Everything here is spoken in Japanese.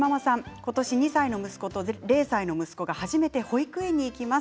今年２歳の息子と０歳の息子が初めて保育園に行きます。